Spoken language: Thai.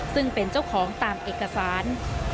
ซึ่งเป็นเจ้าของตามเอกสาร